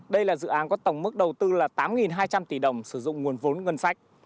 đây là dự án có tổng mức đầu tư là tám hai trăm linh tỷ đồng sử dụng nguồn vốn ngân sách